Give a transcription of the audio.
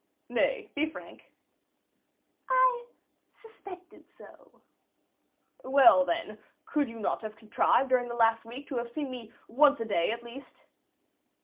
"Nay, be frank." "I suspected so." "Well, then, could you not have contrived during the last week to have seen me once a day, at least?"